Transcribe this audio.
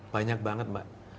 banyak banget mbak